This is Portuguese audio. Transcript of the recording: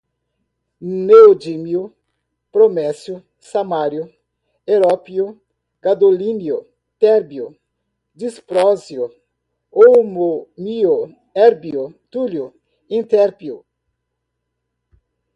neodímio, promécio, samário, európio, gadolínio, térbio, disprósio, hólmio, érbio, túlio, itérbio